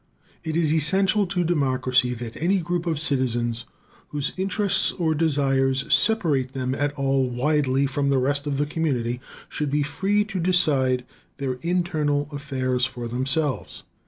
It is essential to democracy that any group of citizens whose interests or desires separate them at all widely from the rest of the community should be free to decide their internal affairs for themselves.